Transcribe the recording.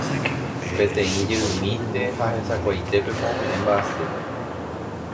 Peteĩ jeymínte ha hesakuaitépema ome'ẽ mba'asýpe.